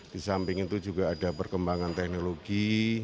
di samping itu juga ada perkembangan teknologi